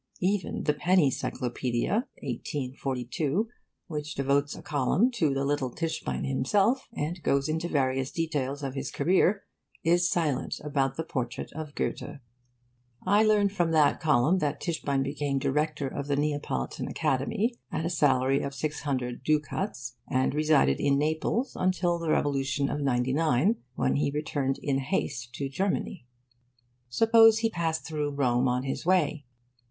Even the 'Penny Cyclopaedia' (1842), which devotes a column to little Tischbein himself, and goes into various details of his career, is silent about the portrait of Goethe. I learn from that column that Tischbein became director of the Neapolitan Academy, at a salary of 600 ducats, and resided in Naples until the Revolution of '99, when he returned in haste to Germany. Suppose he passed through Rome on his way.